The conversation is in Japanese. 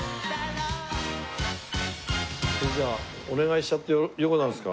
それじゃあお願いしちゃってようござんすか？